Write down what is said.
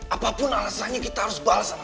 apapun alasannya kita harus balas sama falcon